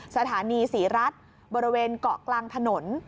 สถานีศรีรัฐบริเวณเกาะกลางถนน